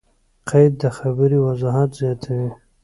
قید؛ د خبري وضاحت زیاتوي.